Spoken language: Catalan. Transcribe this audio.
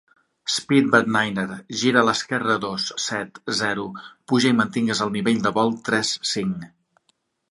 Speedbird niner, gira a l'esquerra a dos, set, zero, puja i mantingues el nivell de vol tres, cinc.